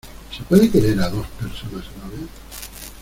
¿ se puede querer a dos personas a la vez?